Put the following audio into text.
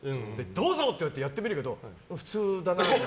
どうぞって言われてやってみると普通だなって。